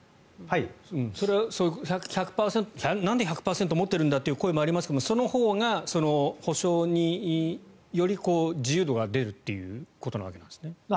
それはなんで１００％持ってるんだという声もありますがそのほうが補償に、より自由度が出るっていうことなわけですね。